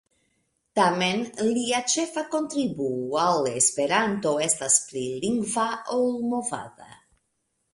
Tamen, lia ĉefa kontribuo al Esperanto estas pli lingva ol movada.